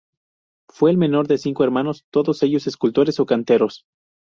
Fue el menor de cinco hermanos, todos ellos escultores o canteros.